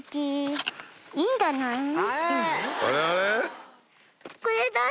あれあれ？